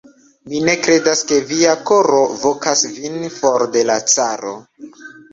Mi ne kredas, ke via koro vokas vin for de la caro.